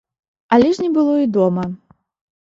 Але ж не было і дома.